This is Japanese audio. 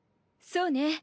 そうね